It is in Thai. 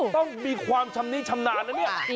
ต้องมีความชำนิชำนาญนะเนี่ย